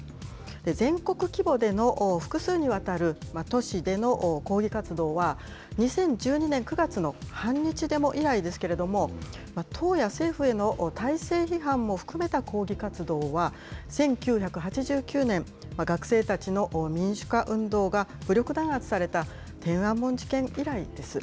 全国規模での複数にわたる都市での抗議活動は、２０１２年９月の反日デモ以来ですけれども、党や政府への体制批判も含めた抗議活動は、１９８９年、学生たちの民主化運動が武力弾圧された天安門事件以来です。